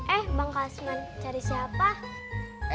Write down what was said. eh bang kalasman cari siapa